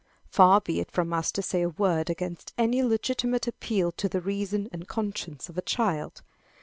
Far be it from us to say a word against any legitimate appeal to the reason and conscience of a child.